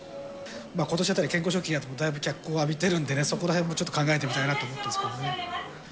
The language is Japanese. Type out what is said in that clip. ことしあたり、健康食品などもだいぶ脚光を浴びてるのでね、そこらへんもちょっと考えてみたいなと思っていますけれどもね。